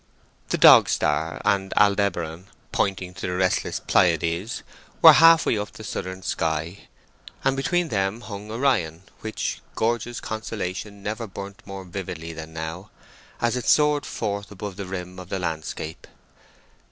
The Dog star and Aldebaran, pointing to the restless Pleiades, were half way up the Southern sky, and between them hung Orion, which gorgeous constellation never burnt more vividly than now, as it soared forth above the rim of the landscape.